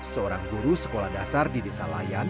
seorang guru sekolah dasar di desa layan